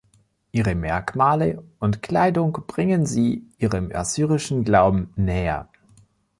Ihre Merkmale und Kleidung bringen sie ihrem assyrischen Glauben näher.